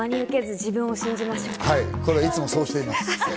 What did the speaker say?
いつもそうしています。